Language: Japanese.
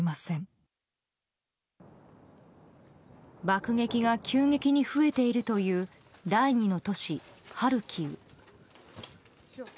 爆撃が急激に増えているという第２の都市ハルキウ。